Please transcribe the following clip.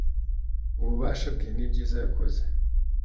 ububasha bwe n'ibyiza yakoze